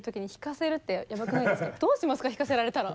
どうしますか弾かせられたら？